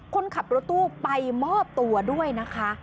คนขับรถตู้ไปมอบตัวด้วยนะคะ